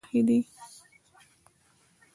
د کونړ په ماڼوګي کې د څه شي نښې دي؟